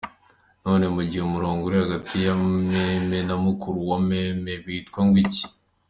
none mugihe umurongo uri hagati yameme na mukuru wameme witwa ngwiki?.